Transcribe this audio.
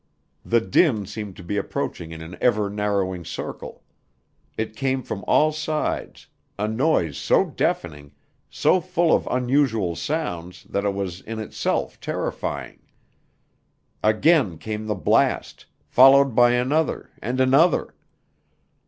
The din seemed to be approaching in an ever narrowing circle. It came from all sides a noise so deafening, so full of unusual sounds that it was in itself terrifying. Again came the blast, followed by another and another.